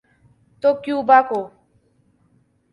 تو کیوبا کو۔